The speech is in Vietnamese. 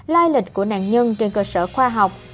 lai lịch của nạn nhân trên cơ sở khoa học